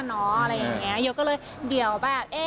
อะไรอย่างนี้เดี๋ยวก็เลยเดี๋ยวแบบ